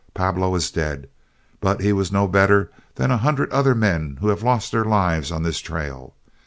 Pablo is dead, but he was no better than a hundred other men who have lost their lives on this trail.